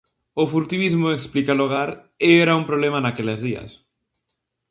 O furtivismo, explica Logar, era un problema naqueles días.